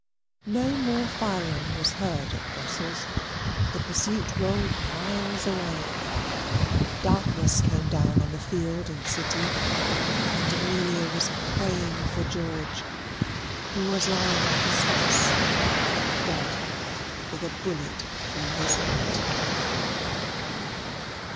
No more firing was heard at Brussels the pursuit rolled miles away. Darkness came down on the field and city: and Amelia was praying for George, who was lying on his face, dead, with a bullet through his heart.